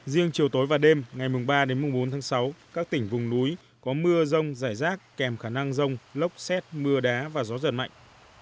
riêng chiều tối và đêm ngày ba đến bốn tháng sáu các tỉnh vùng núi có mưa rông rải rác kèm khả năng rông lốc xét mưa đá và gió giật mạnh